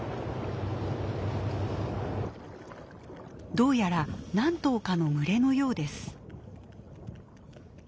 どうやら何頭かの群れのようです。